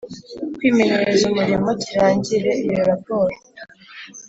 Kwimenyereza umurimo kirangire iyo raporo